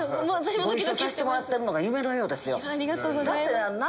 ご一緒させてもらってるのが夢のようですよ。